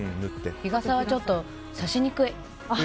日傘はちょっとさしにくい。